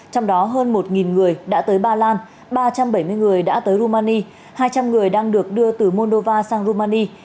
trong đó hơn một người đã tới ba lan ba trăm bảy mươi người đã tới rumani hai trăm linh người đang được đưa từ moldova sang rumani